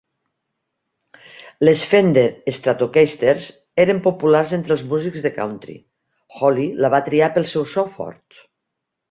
Les Fender Stratocasters eren populars entre els músics de country; Holly la va triar pel seu so fort.